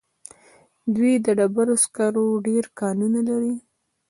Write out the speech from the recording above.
دوی د ډبرو سکرو ډېر کانونه لري.